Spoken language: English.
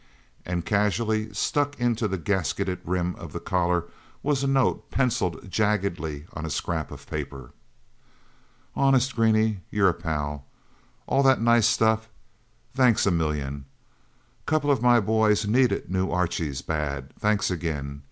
And casually stuck into the gasketted rim of the collar, was a note, pencilled jaggedly on a scrap of paper: "Honest, Greenie, your a pal. All that nice stuff. Thanks a 1,000,000! Couple of my boys needed new Archies, bad. Thanks again.